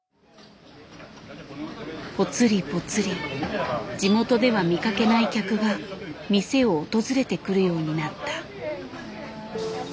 ぽつりぽつり地元では見かけない客が店を訪れてくるようになった。